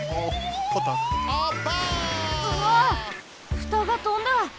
ふたがとんだ！